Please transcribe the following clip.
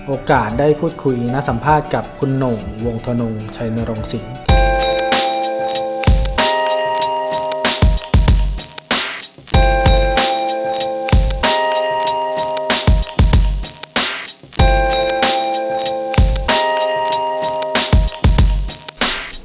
โอกาสได้พูดคุยและสัมภาษณ์กับคุณหน่งวงธนงชัยนรงศิลป์